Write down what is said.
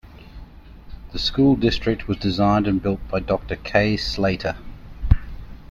The School District was designed and built by Doctor K. Slater.